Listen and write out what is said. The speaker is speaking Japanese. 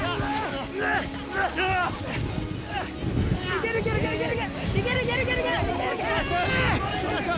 いけるいけるいける！